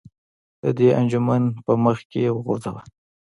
د دې انجمن په مخ کې یې وغورځوه.